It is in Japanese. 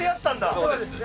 そうですね。